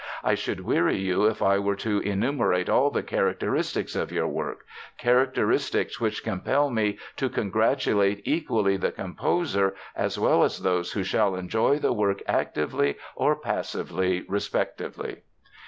I should weary you if I were to enumerate all the characteristics of your work—characteristics which compel me to congratulate equally the composer as well as all those who shall enjoy the work actively or passively respectively."